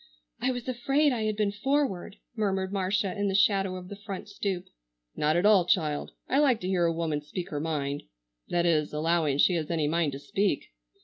"I was afraid I had been forward," murmured Marcia in the shadow of the front stoop. "Not at all, child, I like to hear a woman speak her mind,—that is, allowing she has any mind to speak.